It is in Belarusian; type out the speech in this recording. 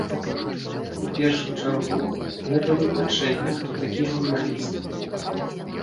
У першую чаргу, гэта вызначэнне, хто такі журналіст.